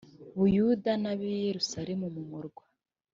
buyuda n ab i yerusalemu mu murwa